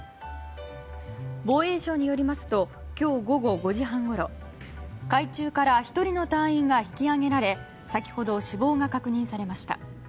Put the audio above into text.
防衛省によりますと今日午後５時半ごろ海中から１人の隊員が引き揚げられ先ほど、死亡が確認されました。